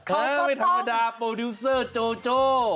เออไม่ธรรมดาโปรดิวเซอร์โจโจ้